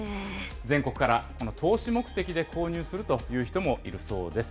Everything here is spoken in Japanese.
全国から投資目的で購入するという人もいるそうです。